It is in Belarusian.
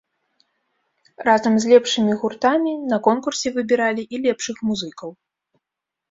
Разам з лепшымі гуртамі на конкурсе выбіралі і лепшых музыкаў.